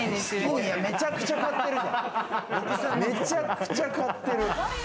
めちゃくちゃ買ってる。